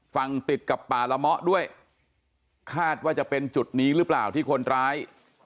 ฝั่งติดกับป่าละเมาะด้วยคาดว่าจะเป็นจุดนี้หรือเปล่าที่คนร้าย